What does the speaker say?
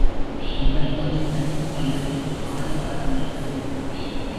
இவர்தம் தனித் தமிழ் ஆரவாரமற்றது.